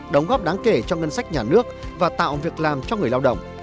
đóng góp đáng kể cho ngân sách nhà nước và tạo việc làm cho người lao động